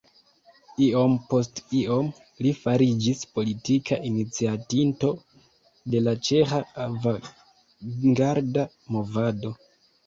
Iom post iom li fariĝis politika iniciatinto de la ĉeĥa avangarda movado.